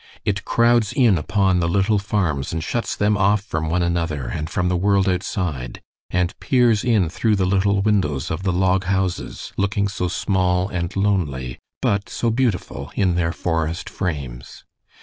It crowds in upon the little farms and shuts them off from one another and from the world outside, and peers in through the little windows of the log houses looking so small and lonely, but so beautiful in their forest frames.